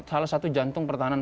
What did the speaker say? salah satu jantung pertahanan